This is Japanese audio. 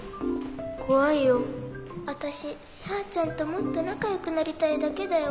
あたしさーちゃんともっとなかよくなりたいだけだよ。